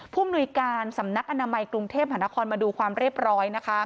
มนุยการสำนักอนามัยกรุงเทพหานครมาดูความเรียบร้อย